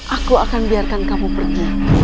aku akan biarkan kamu pergi